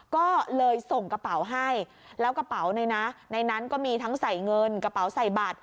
ก็เลยส่งกระเป๋าให้แล้วกระเป๋าเนี่ยนะในนั้นก็มีทั้งใส่เงินกระเป๋าใส่บัตร